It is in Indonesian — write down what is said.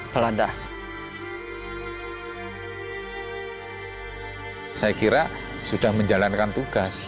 ketika itu saya kira sudah menjalankan tugas